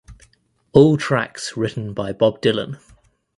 All tracks written by Bob Dylan.